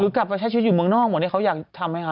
กลับมาใช้ชีวิตอยู่เมืองนอกหมดที่เขาอยากทำไหมคะ